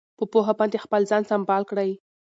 په پوهه باندې خپل ځان سمبال کړئ.